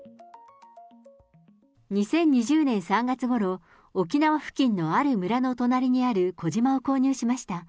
２０２０年３月ごろ、沖縄付近のある村の隣にある小島を購入しました。